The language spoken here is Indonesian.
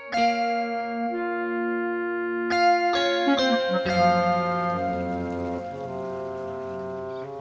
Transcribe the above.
dori kamu gak apa apa